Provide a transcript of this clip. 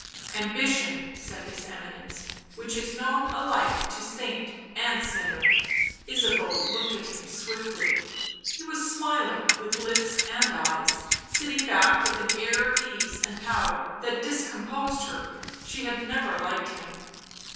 " Ambition," said his Eminence, " which is known alike to saint and sinner." Ysabeau looked at him swiftly ; he was smiling with lips and eyes, sitting back with an air of ease and power that discomposed her ; she had never liked him.